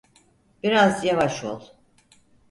Biraz yavaş ol.